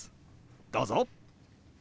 どうぞ！